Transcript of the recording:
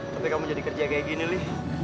tapi kamu jadi kerja kayak gini nih